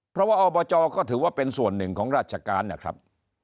เพราะว่าอบจก็ถือว่าเป็นส่วนหนึ่งของราชการนะครับ